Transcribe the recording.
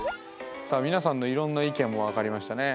さあ皆さんのいろんな意見も分かりましたね。